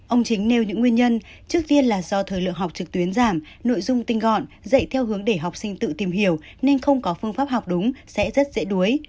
ông chính nêu những nguyên nhân trước tiên là do thời lượng học trực tuyến giảm nội dung tinh gọn dạy theo hướng để học sinh tự tìm hiểu nên không có phương pháp học đúng sẽ rất dễ đuối